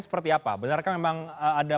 seperti apa benarkah memang ada